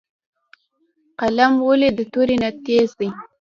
قلم ولې د تورې نه تېز دی؟